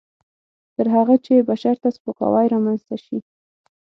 تر هغه چې بشر ته سپکاوی نه رامنځته شي.